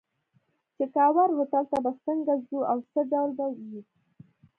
چې کاوور هوټل ته به څنګه ځو او څه ډول به وي.